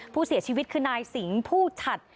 ผู้เสียชีวิตคือนายสิงพูชัฏ